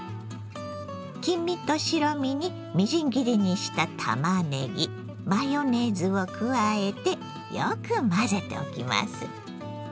黄身と白身にみじん切りにしたたまねぎマヨネーズを加えてよく混ぜておきます。